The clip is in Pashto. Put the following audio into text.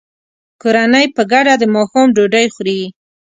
کورنۍ په ګډه د ماښام ډوډۍ خوري.